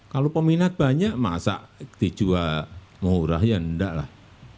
kalau peminat banyak masak dijual murah ya enggak lah